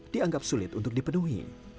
dianggap sulit untuk dipenuhi